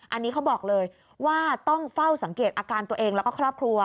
อันนี้เขาบอกเลยว่าต้องเฝ้าสังเกตอาการตัวเองแล้วก็ครอบครัว